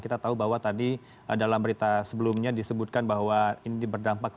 kita tahu bahwa tadi dalam berita sebelumnya disebutkan bahwa ini berdampak